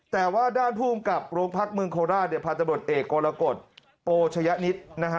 แต่ว่าด้านภูมิกับโรงพักษณ์เมืองโคลาเดียวพาตำรวจเอกกละกดโปชยะนิดนะฮะ